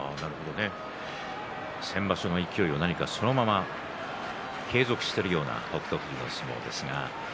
先場所の勢いそのまま継続しているような北勝富士の相撲です。